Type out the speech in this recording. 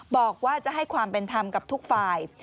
บอกว่าจะให้ความเป็นธรรมกับทุกฝ่าย